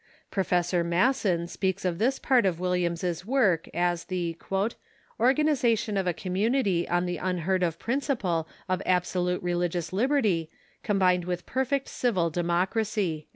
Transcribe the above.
Professor Masson speaks of this part of Williams's Rhode Island ^'. work as the "organization oi a community on the unheard of principle of absolute religious liberty combined with perfect civil democracy."